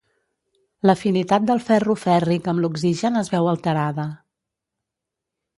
L'afinitat del ferro fèrric amb l'oxigen es veu alterada.